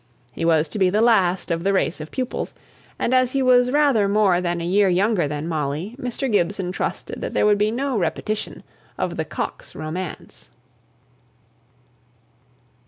He was to be the last of the race of pupils, and as he was rather more than a year younger than Molly, Mr. Gibson trusted that there would be no repetition of the Coxe romance.